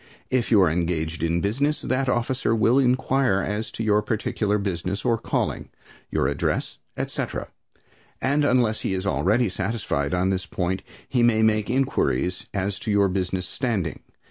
If you are engaged in business, that officer will inquire as to your particular business or calling, your address, etc., and unless he is already satisfied on this point, he may make inquiries as to your business standing.